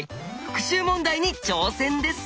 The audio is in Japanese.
復習問題に挑戦です！